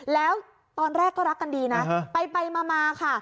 แล้วตอนแรกก็รักกันดีนะไปมาค่ะ